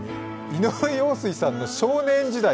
井上陽水さんの「少年時代」